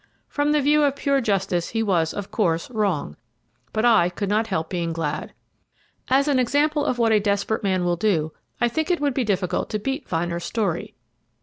From the view of pure justice he was, of course, wrong, but I could not help being glad. As an example of what a desperate man will do, I think it would be difficult to beat Vyner's story.